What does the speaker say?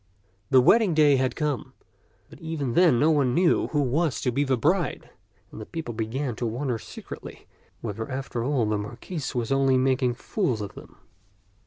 The wedding day had come, but even then no one knew who was to be the bride ; and the people began to wonder secretly whether after all the Mar quis was only making fools of them.